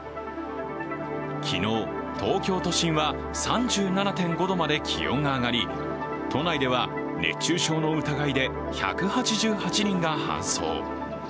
昨日、東京都心は３７．５度まで気温が上がり都内では熱中症の疑いで１８８人が搬送。